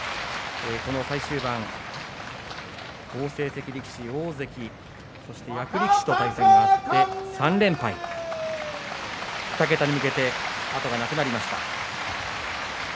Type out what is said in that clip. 最終盤、好成績力士大関そして役力士と対戦があって３連敗。２桁に向けて後がなくなりました。